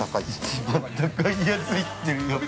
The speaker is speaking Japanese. ◆一高いやついってるよ。